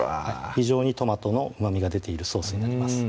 非常にトマトのうまみが出ているソースになります